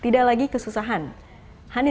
dan juga mencari jalan tengah